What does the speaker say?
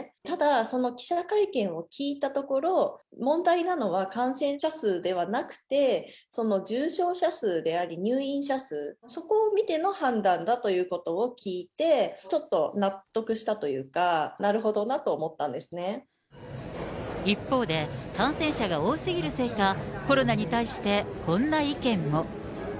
ただ、その記者会見を聞いたところ、問題なのは感染者数ではなくて、その重症者数であり、入院者数、そこを見ての判断だということを聞いて、ちょっと納得したというか、なるほどなと思ったんで一方で、感染者が多すぎるせいか、コロナに対して、こんな意見も。